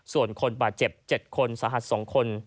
ส่วนคนบาดเจ็บ๗คนสาหัส๒คน